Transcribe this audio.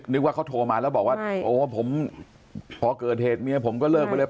นึกว่าเขาโทรมาแล้วบอกว่าโอ้ผมพอเกิดเหตุเมียผมก็เลิกไปเลย